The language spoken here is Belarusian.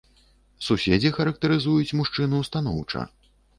Суседзі характарызуюць мужчыну станоўча.